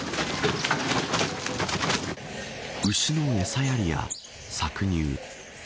牛の餌やりや搾乳。